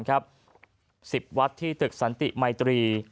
๑๐วัดที่ตึกสันติมัยตรี